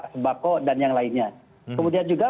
sebako dan yang lainnya kemudian juga